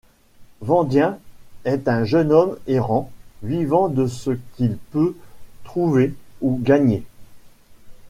Vandien est un jeune homme errant, vivant de ce qu'il peut trouver ou gagner.